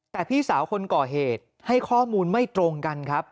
แต่พี่สาวคนก่อเหตุให้ข้อมูลไม่ตรงกันครับ